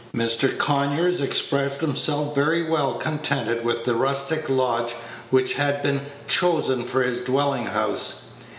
Mr. Conyers expressed himself very well contented with the rustic lodge which had been chosen for his dwelling house.